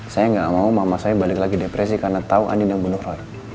saya gak mau mama saya balik lagi depresi karena tahu andin yang bunuh roy